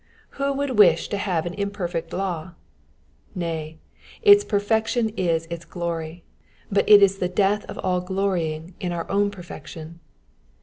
Who would wish to have an imperfect law ? Nay, its perfection is its glory ; but it is the death of all glorying in our own per fection.